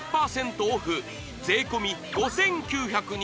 オフ税込５９２０円